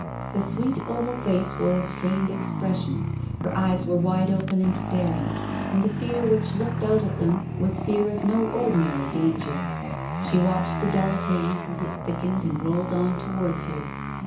The sweet oval face wore a strained expression; her eyes were wide open and staring, and the fear which looked out of them was fear of no ordinary danger. She watched the dull haze as it thickened and rolled on towards her.